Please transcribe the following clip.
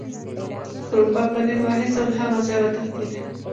روباه پنیر واخیست او له هغه ځایه وتښتید.